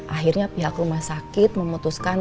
akhirnya pihak rumah sakit memutuskan